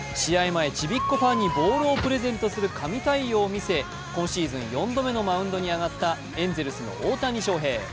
前、ちびっこファンにボールをプレゼントする神対応を見せ今シーズン４度目のマウンドに上がった、エンゼルスの大谷翔平。